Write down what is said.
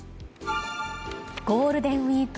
ゴールデンウィーク